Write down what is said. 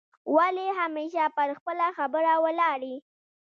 ولي همېشه پر خپله خبره ولاړ یې؟